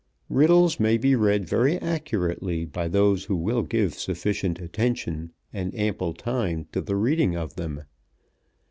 Riddles may be read very accurately by those who will give sufficient attention and ample time to the reading of them.